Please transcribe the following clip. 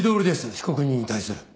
被告人に対する。